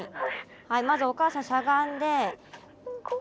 はいまずおかあさんしゃがんで。